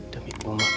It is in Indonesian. demi bunga dan bapak